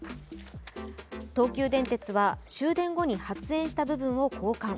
東急電鉄は終電後に発煙した部分を交換。